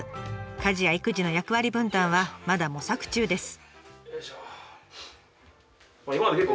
家事や育児の役割分担はまだ模索中です。